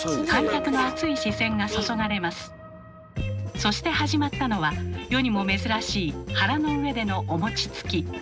そして始まったのは世にも珍しい腹の上でのお餅つき。